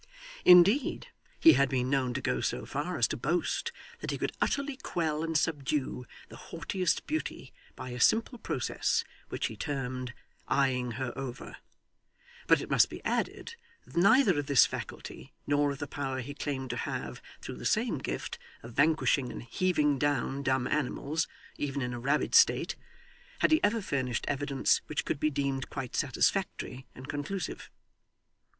Indeed he had been known to go so far as to boast that he could utterly quell and subdue the haughtiest beauty by a simple process, which he termed 'eyeing her over;' but it must be added, that neither of this faculty, nor of the power he claimed to have, through the same gift, of vanquishing and heaving down dumb animals, even in a rabid state, had he ever furnished evidence which could be deemed quite satisfactory and conclusive.